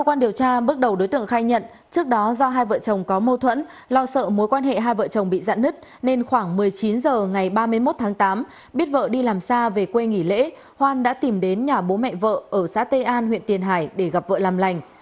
qua điều tra bước đầu đối tượng khai nhận trước đó do hai vợ chồng có mâu thuẫn lo sợ mối quan hệ hai vợ chồng bị giãn nứt nên khoảng một mươi chín h ngày ba mươi một tháng tám biết vợ đi làm xa về quê nghỉ lễ hoan đã tìm đến nhà bố mẹ vợ ở xã tây an huyện tiền hải để gặp vợ làm lành